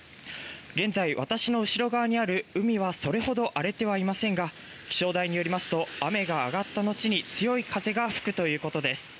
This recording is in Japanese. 現在、私の後ろ側にある海はそれほど荒れてはいませんが気象台によりますと雨が上がった後に強い風が吹くということです。